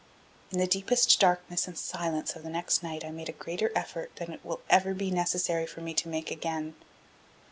In the deepest darkness and silence of the next night I made a greater effort than it will ever be necessary for me to make again.